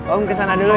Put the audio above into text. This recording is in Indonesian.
om kesana dulu ya